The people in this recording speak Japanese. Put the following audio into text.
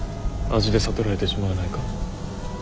味で悟られてしまわないか。